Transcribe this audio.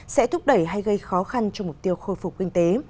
sẽ thúc đẩy hay gây khó khăn cho mục tiêu khôi phục kinh tế